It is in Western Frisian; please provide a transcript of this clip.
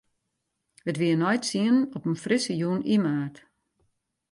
It wie nei tsienen op in frisse jûn yn maart.